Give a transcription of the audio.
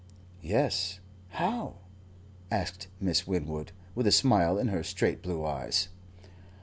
"Yes, how?" asked Miss Winwood, with a smile in her straight blue eyes.